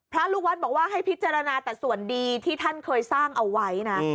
ลูกวัดบอกว่าให้พิจารณาแต่ส่วนดีที่ท่านเคยสร้างเอาไว้นะ